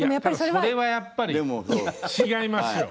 それはやっぱり違いますよ